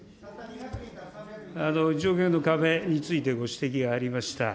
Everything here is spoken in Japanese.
１億円の壁について、ご指摘がありました。